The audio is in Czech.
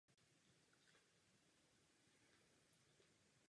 Nikdo ve sněmovně to neřekl.